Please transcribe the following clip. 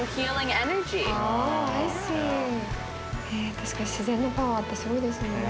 確かに自然のパワーってすごいですよね。